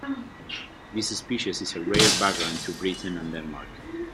This species is a rare vagrant to Britain and Denmark.